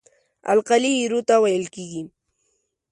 القلي ایرو ته ویل کیږي.